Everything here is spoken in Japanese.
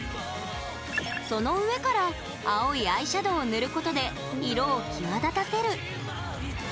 その上から青いアイシャドーを塗ることで色を際立たせる。